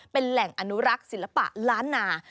เป็นแหล่งอนุรักษ์ศิลปะล้านนา